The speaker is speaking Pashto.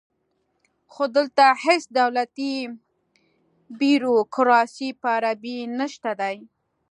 خو دلته هیڅ دولتي بیروکراسي په عربي نشته دی